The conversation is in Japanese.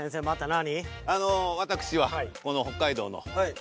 何？